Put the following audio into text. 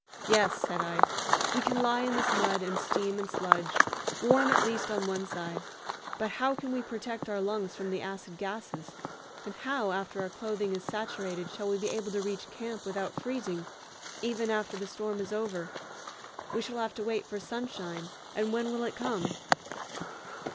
"Yes," said I, "we can lie in this mud and steam and sludge, warm at least on one side; but how can we protect our lungs from the acid gases, and how, after our clothing is saturated, shall we be able to reach camp without freezing, even after the storm is over? We shall have to wait for sunshine, and when will it come?"